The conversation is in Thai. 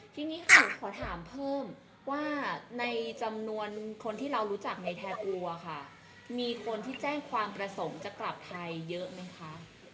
ทีนี้ค่ะขอถามเพิ่มว่าในจำนวนคนที่เรารู้จักในแอร์กลัวค่ะมีคนที่แจ้งความประสงค์จะกลับไทยเยอะไหมคะ